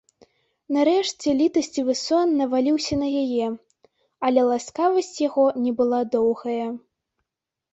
Нарэшце літасцівы сон наваліўся на яе, але ласкавасць яго не была доўгая.